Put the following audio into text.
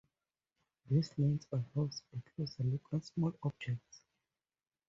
This lens allows a closer look at small objects.